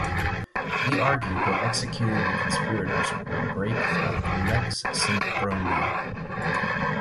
He argued that executing the conspirators would break the "lex Sempronia".